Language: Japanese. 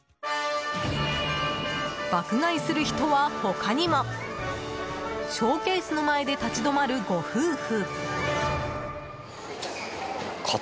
爆買いする人は、他にも。ショーケースの前で立ち止まるご夫婦。